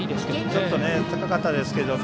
ちょっと高かったですけど。